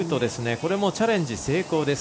これもチャレンジ成功です